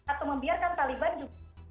atau membiarkan taliban juga